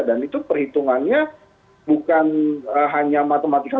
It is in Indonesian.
dan itu perhitungannya bukan hanya matematika